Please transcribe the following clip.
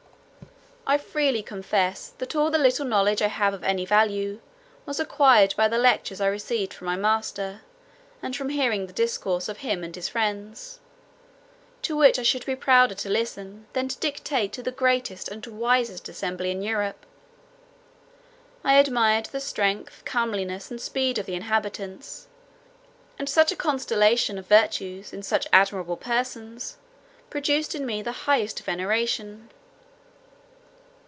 I freely confess, that all the little knowledge I have of any value, was acquired by the lectures I received from my master, and from hearing the discourses of him and his friends; to which I should be prouder to listen, than to dictate to the greatest and wisest assembly in Europe. I admired the strength, comeliness, and speed of the inhabitants; and such a constellation of virtues, in such amiable persons, produced in me the highest veneration.